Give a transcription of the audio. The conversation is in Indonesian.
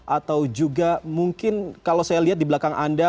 atau juga mungkin kalau saya lihat di belakang anda